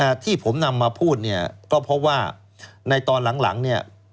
แต่ที่ผมนำมาพูดเนี่ยก็เพราะว่าในตอนหลังหลังเนี่ย